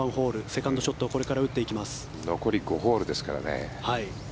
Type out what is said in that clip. セカンドショットを残り５ホールですからね。